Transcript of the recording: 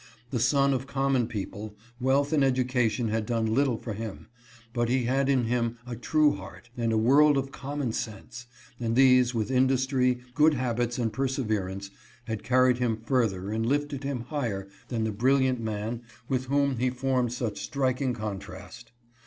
The son of common people, wealth and education had done little for him ; but he had in him a true heart, and a world of common sense ; and these, with industry, good habits, and perseverance, had carried him further and lifted him higher than the brilliant man with whom he formed such striking contrast.